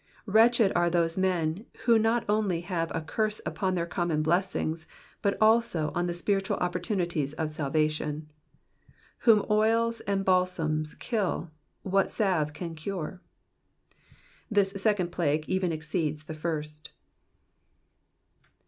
Wretched are those men, who not only have a curse upon their common blessings, but also on the spiritual opportunities of salvation. Whom oils and balsams kill, what salve can cure ?" This second plague even exceeds the first.